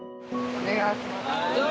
お願いします。